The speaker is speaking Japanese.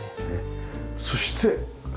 そして外。